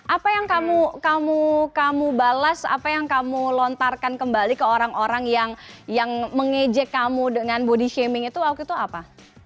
apa yang kamu balas apa yang kamu lontarkan kembali ke orang orang yang mengejek kamu dengan body shaming itu waktu itu apa